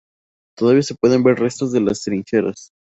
Todavía se pueden ver restos de las trincheras.